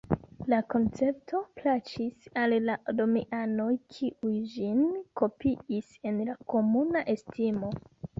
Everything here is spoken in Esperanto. La koncepto plaĉis al la romianoj kiuj ĝin kopiis en la komuna estimo.